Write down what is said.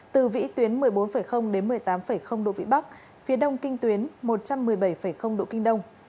từ vĩ tuyến một mươi bốn đến một mươi tám độ vĩ bắc phía đông kinh tuyến một trăm một mươi bảy độ kinh đông